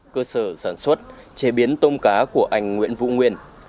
cơ sở sản xuất chế biến tôm cá của anh nguyễn vũ nguyên